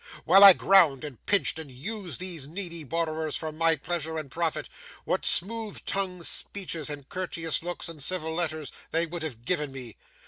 While I ground, and pinched, and used these needy borrowers for my pleasure and profit, what smooth tongued speeches, and courteous looks, and civil letters, they would have given me!